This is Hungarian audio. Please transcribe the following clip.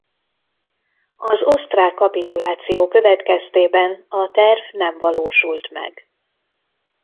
Az osztrák kapituláció következtében a terv nem valósult meg.